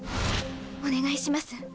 お願いします。